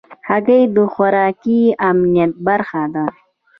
هګۍ د خوراکي امنیت برخه ده.